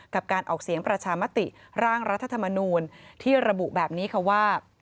กับการออกเสียงประชามติร่างรัฐธรรมนูลที่ระบุแบบนี้ค่ะว่า